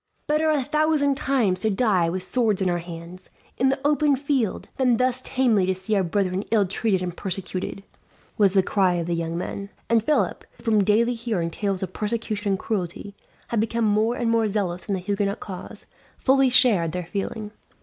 "Better a thousand times to die with swords in our hands, in the open field, than thus tamely to see our brethren ill treated and persecuted!" was the cry of the young men; and Philip, who from daily hearing tales of persecution and cruelty had become more and more zealous in the Huguenot cause, fully shared their feeling.